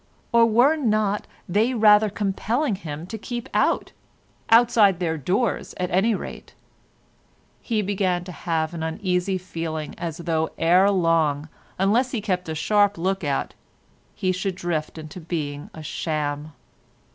Or were not they rather compelling him to keep out—outside their doors at any rate? He began to have an uneasy feeling as though ere long, unless he kept a sharp look out, he should drift into being a sham.